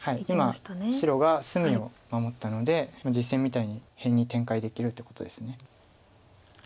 今白が隅を守ったので実戦みたいに辺に展開できるってことです。